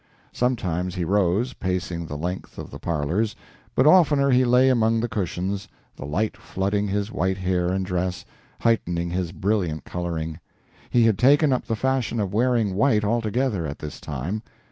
Sometimes he rose, pacing the length of the parlors, but oftener he lay among the cushions, the light flooding his white hair and dress, heightening his brilliant coloring. He had taken up the fashion of wearing white altogether at this time.